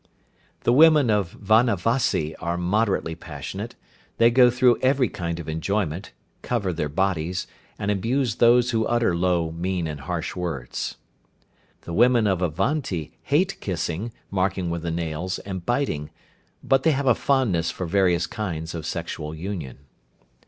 The women of Vanavasi are moderately passionate, they go through every kind of enjoyment, cover their bodies, and abuse those who utter low, mean and harsh words. The women of Avanti hate kissing, marking with the nails, and biting, but they have a fondness for various kinds of sexual union.